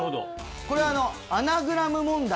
これアナグラム問題